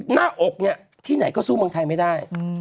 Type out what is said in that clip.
หน้าอกเนี่ยที่ไหนก็สู้เมืองไทยไม่ได้